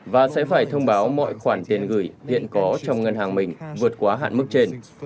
và sẽ phải thông báo mọi khoản tiền gửi hiện có trong ngân hàng mình vượt quá hạn mức trên